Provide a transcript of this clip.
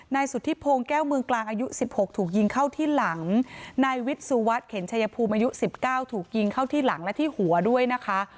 นายสุธิพงศ์แก้วเมืองกลางอายุ๑๖ถูกยิงเข้าที่หลังนายวิทย์สุวัสดิเข็นชายภูมิอายุ๑๙ถูกยิงเข้าที่หลังและที่หัวด้วยนะคะ